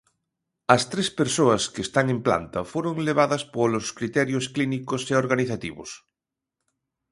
As tres persoas, que están en planta, foron levadas polos criterios clínicos e organizativos.